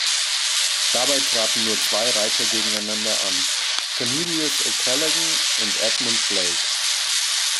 Dabei traten nur zwei Reiter gegeneinander an, Cornelius O’Callaghan und Edmund Blake.